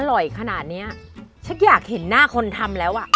อร่อยขนาดเนี้ยฉันอยากเห็นหน้าคนทำแล้วอ่ะ